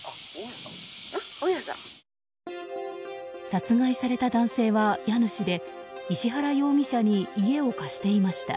殺害された男性は家主で石原容疑者に家を貸していました。